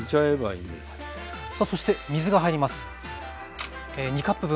さあそして水が入ります。